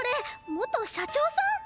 元社長さん？